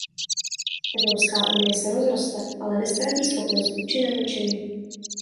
Evropská unie se rozroste, ale neztratí schopnost účinného činu.